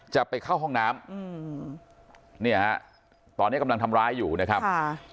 จะไปเข้าห้องน้ำอืมเนี่ยฮะตอนนี้กำลังทำร้ายอยู่นะครับค่ะ